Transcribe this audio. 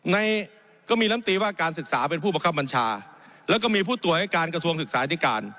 ก็มีลำตีว่าการศึกษาเป็นผู้บังคับบัญชาแล้วก็มีผู้ตรวจการกระทรวงศึกษาธิการ